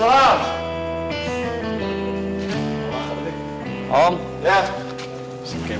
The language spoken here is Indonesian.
tidak tidak tidak tidak